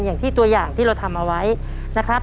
อย่างที่ตัวอย่างที่เราทำเอาไว้นะครับ